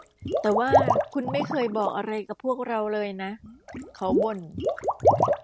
แต่ว่าคุณไม่เคยบอกอะไรกับพวกเราเลยนะ เขาบ่น